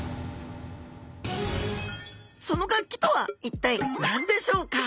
その楽器とは一体何でしょうか？